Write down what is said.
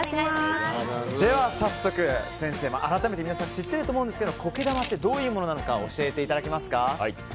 では早速、先生、改めて皆さん知っていると思うんですが苔玉ってどういうものなのか教えていただけますか？